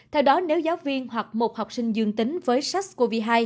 theo đó nếu giáo viên hoặc một học sinh dương tính với sars cov hai